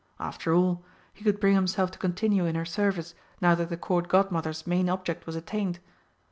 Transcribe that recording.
After all, he could bring himself to continue in her service, now that the Court Godmother's main object was attained.